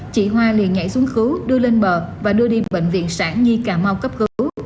chị hoa liền nhảy xuống cứu đưa lên bờ và đưa đi bệnh viện sản nhi cà mau cấp cứu